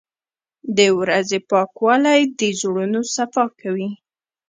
• د ورځې پاکوالی د زړونو صفا کوي.